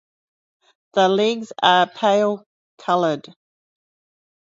The legs are pale coloured.